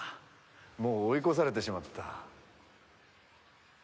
もう追い越されてしまった。